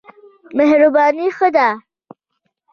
مهرباني ښه ده.